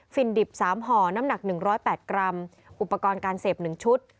ดิบ๓ห่อน้ำหนัก๑๐๘กรัมอุปกรณ์การเสพ๑ชุด